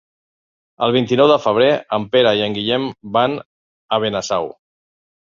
El vint-i-nou de febrer en Pere i en Guillem van a Benasau.